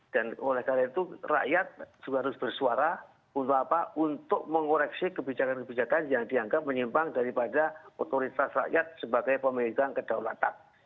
dan oleh karena itu rakyat juga harus bersuara untuk mengoreksi kebijakan kebijakan yang dianggap menyimpang daripada otoritas rakyat sebagai pemegang kedaulatan